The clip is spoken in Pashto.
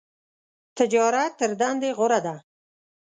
تجارت تر دندی غوره ده .